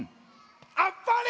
「あっぱれ」。